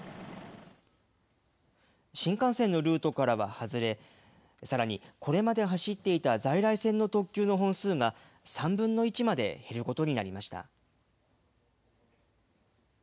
新幹線のルートからは外れ、さらにこれまで走っていた在来線の特急の本数が３分の１まで減ることになりました。